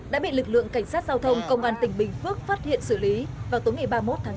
đã bị lực lượng cảnh sát giao thông công an tỉnh bình phước phát hiện xử lý vào tối ngày ba mươi một tháng tám